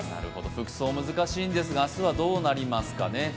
服装、難しいんですが、明日はどうなりますか？